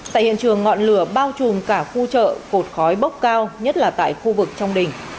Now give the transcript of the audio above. tại hiện trường ngọn lửa bao trùm cả khu chợ cột khói bốc cao nhất là tại khu vực trong đình